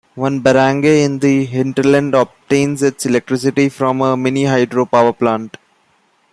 One barangay in the hinterland obtains its electricity from a mini-hydro power plant.